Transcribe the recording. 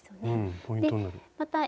ポイントになる。